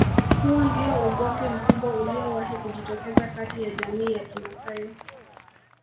Huu ndio ugomvi mkubwa uliowahi kujitokeza kati ya jamii ya kimasai